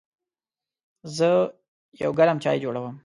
زه یو ګرم چای جوړوم.